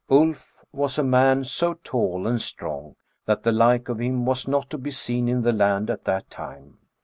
Ulf was a man so tall and strong that the like of him was not to be seen in the land at that time.